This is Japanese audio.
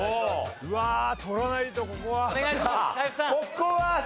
うわあ取らないとここは。